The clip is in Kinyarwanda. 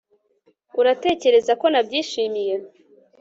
uratekereza ko nabyishimiye